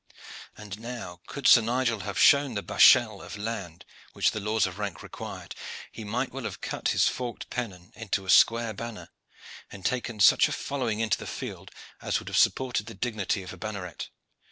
And now, could Sir Nigel have shown the bachelles of land which the laws of rank required, he might well have cut his forked pennon into a square banner, and taken such a following into the field as would have supported the dignity of a banneret.